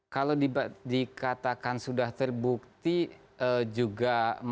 kalau dikatakan sudah terbukti juga masih tidak menjadi aneh aneh